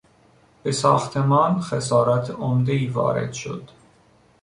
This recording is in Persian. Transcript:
به ساختمان خسارات عمدهای وارد شد.